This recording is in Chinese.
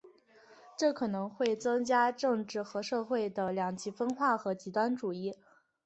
这可能会增加政治和社会的两极分化和极端主义。